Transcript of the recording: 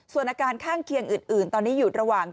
ส่วนอาการข้างเคียงอื่นตอนนี้อยู่ระหว่าง